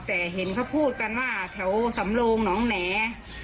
แต่เห็นเขาพูดกันว่าแถวสำโลงหนองแหน่